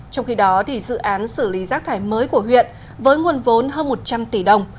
trong khi đó dự án xử lý rác thải mới của huyện với nguồn vốn hơn một trăm linh tỷ đồng